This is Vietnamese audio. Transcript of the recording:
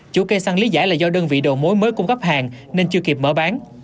chủ cây xăng lý giải là do đơn vị đầu mối mới cung cấp hàng nên chưa kịp mở bán